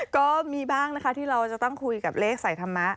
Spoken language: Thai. ก็มีบ้างนะคะที่เราจะต้องคุยกับเลขสายธรรมะ